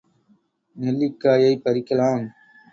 நெல்லிக் காயைப் பறிக்கலாம்.